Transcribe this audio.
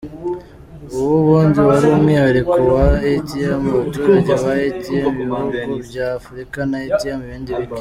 Uwo ubundi wari umwihariko w’abaturage b’ibihugu bya Afurika n’ibindi bike.